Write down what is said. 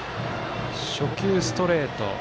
初球、ストレート。